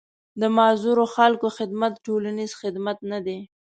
د معذورو خلکو خدمت ټولنيز خدمت نه دی.